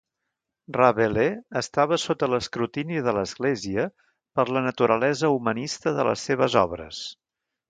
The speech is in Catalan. Rabelais estava sota l'escrutini de l'Església, per la naturalesa "humanista" de les seves obres.